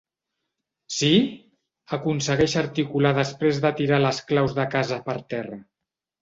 Sí? —aconsegueix articular després de tirar les claus de casa per terra.